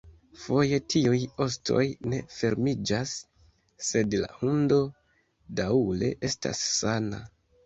Foje tiuj ostoj ne fermiĝas, sed la hundo daŭre estas sana.